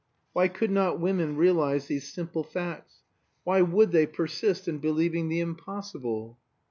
Why could not women realize these simple facts? Why would they persist in believing the impossible?